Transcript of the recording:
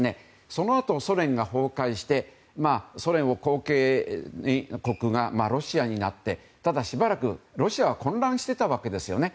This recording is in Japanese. そのあとソ連が崩壊してソ連の後継国がロシアになってただしばらくロシアは混乱していたわけですね。